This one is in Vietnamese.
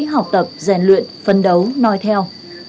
học tập rèn luyện phân đấu nói theo